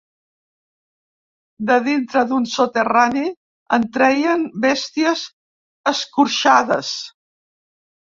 De dintre d'un soterrani en treien besties escorxades